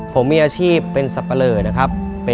ผมมีอาชีพเป็นสัปเริ่ม